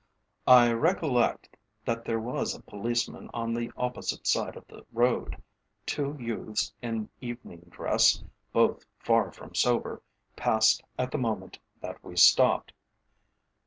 "I recollect that there was a policeman on the opposite side of the road. Two youths in evening dress, both far from sober, passed at the moment that we stopped.